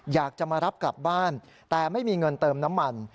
อยากจะมารับกลับบ้านแต่ไม่มีเงินเติมน้ำมัน